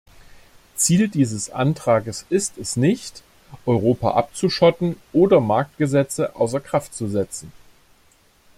Ziel dieses Antrags ist es nicht, Europa abzuschotten oder Marktgesetze außer Kraft zu setzen.